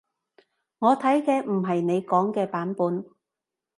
我睇嘅唔係你講嘅版本